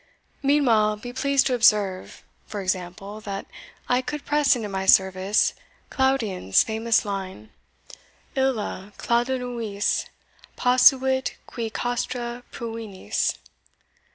Meanwhile be pleased to observe, for example, that I could press into my service Claudian's famous line, Ille Caledoniis posuit qui castra pruinis.